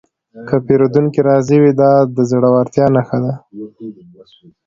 که پیرودونکی راضي وي، دا د زړورتیا نښه ده.